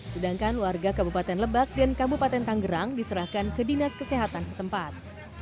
sedangkan warga kabupaten lebak dan kabupaten tanggerang diserahkan ke dinas kesehatan setempat